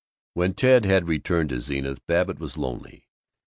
When Ted had returned to Zenith, Babbitt was lonely.